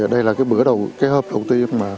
đây là hợp đầu tiên